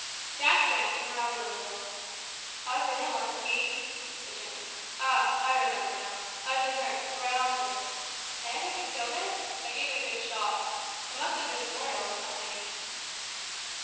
Jack drank, and rallied a little. "I've been ill, I see," he said gently. "Ah! I remember now. I've been hurt the rhinoceros; eh, have you killed it? I gave it a good shot. It must have been mortal, I think."